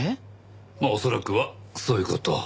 まあ恐らくはそういう事。